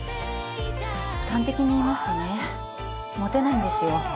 端的に言いますとねモテないんですよ